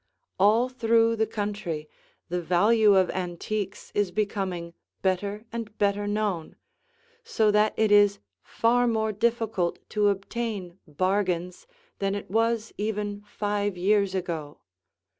All through the country the value of antiques is becoming better and better known, so that it is far more difficult to obtain bargains than it was even five years ago.